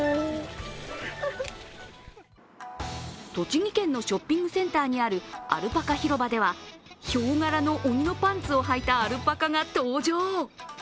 栃木県のショッピングセンターにあるアルパカ広場ではヒョウ柄の鬼のパンツをはいたアルパカが登場。